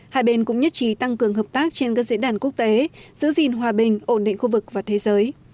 hai bên cũng nhất trí tăng cường hợp tác trên các diễn đàn quốc tế giữ gìn hòa bình ổn định khu vực và thế giới